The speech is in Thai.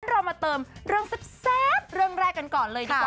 เรามาเติมเรื่องแซ่บเรื่องแรกกันก่อนเลยดีกว่า